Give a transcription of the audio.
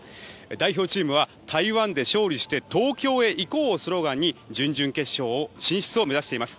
代表チームは「台湾で勝利して東京へ行こう」をスローガンに準々決勝進出を目指しています。